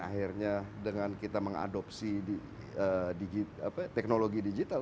akhirnya dengan kita mengadopsi teknologi digital